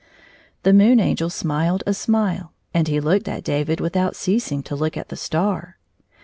The Moon Angel smiled a smile, and he looked at David without ceasing to look at the star.